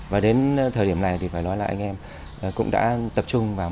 và đến thời điểm này thì phải nói là anh em cũng đã tập trung vào